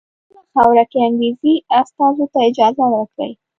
په خپله خاوره کې انګریزي استازو ته اجازه ورکړي.